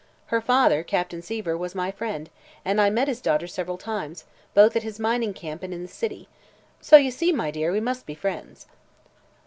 Her father, Captain Seaver, was my friend, and I met his daughter several times, both at his mining camp and in the city. So you see, my dear, we must be friends."